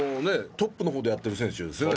トップのほうでやってる選手ですよね